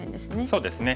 そうですね。